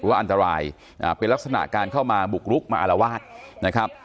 ว่าอันตรายเป็นลักษณะการเข้ามาบุกรุกมาอารวาสนะครับ